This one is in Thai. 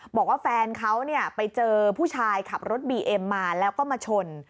บอกว่าแฟนเขาไปเจอผู้ชายขับรถบีเอ็มมาแล้วก็มาชน